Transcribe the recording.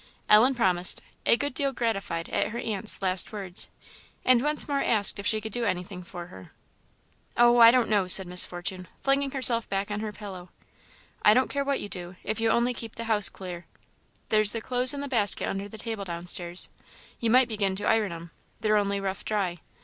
Ellen promised, a good deal gratified at her aunt's last words; and once more asked if she could do anything for her. "Oh, I don't know!" said Miss Fortune, flinging herself back on her pillow; "I don't care what you do, if you only keep the house clear. There's the clothes in the basket under the table downstairs you might begin to iron 'em; they're only rough dry.